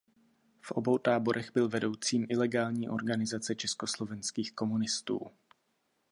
V obou táborech byl vedoucím ilegální organizace československých komunistů.